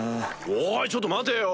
おいちょっと待てよ！